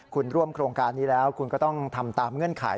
คุณร่วมโครงการนี้แล้วคุณก็ต้องทำตามเงื่อนไข